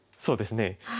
そうですね。